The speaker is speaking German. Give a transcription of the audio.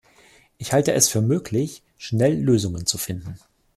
Ich halte es für möglich, schnell Lösungen zu finden.